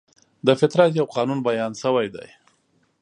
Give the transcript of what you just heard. د فطرت یو قانون بیان شوی دی.